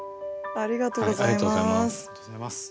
ありがとうございます。